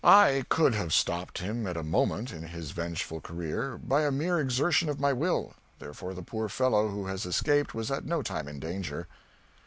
I could have stopped him at a moment in his vengeful career by a mere exertion of my will, therefore the poor fellow who has escaped was at no time in danger."